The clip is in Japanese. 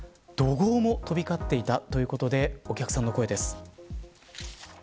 怒号も飛び交っていたということでお客さんの声です。